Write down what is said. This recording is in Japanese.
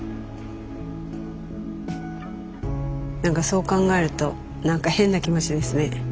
何かそう考えると何か変な気持ちですね。